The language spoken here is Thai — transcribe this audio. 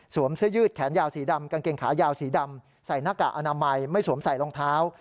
เสื้อยืดแขนยาวสีดำกางเกงขายาวสีดำใส่หน้ากากอนามัยไม่สวมใส่รองเท้า